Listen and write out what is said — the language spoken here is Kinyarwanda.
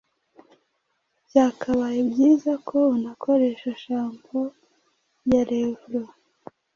byakabaye byiza ko unakoresha shampoo ya Revlon